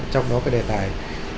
trong đó cái đề tài